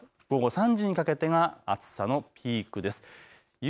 午後３時にかけてが暑さのピークです。